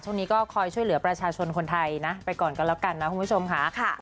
ช่วงนี้ก็คอยช่วยเหลือประชาชนคนไทยนะไปก่อนกันแล้วกันนะคุณผู้ชมค่ะ